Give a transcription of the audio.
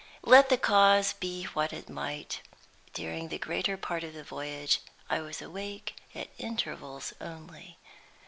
Let the cause be what it might, during the greater part of the voyage I was awake at intervals only.